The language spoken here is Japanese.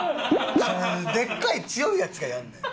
それでっかい強いヤツがやんねん。